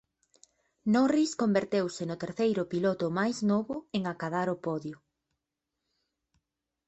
Norris converteuse no terceiro piloto máis novo en acadar o podio.